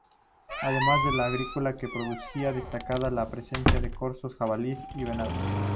Además de lo agrícola que producía, destacaba la presencia corzos, jabalíes, y venados.